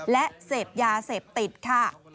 และเสพยาเสพติดค่ะ